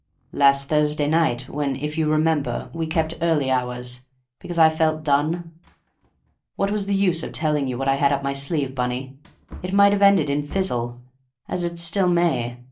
"Last Thursday night, when, if you remember, we kept early hours, because I felt done. What was the use of telling you what I had up my sleeve, Bunny? It might have ended in fizzle, as it still may.